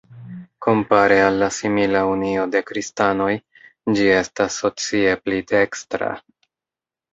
Kompare al la simila Unio de Kristanoj ĝi estas socie pli dekstra.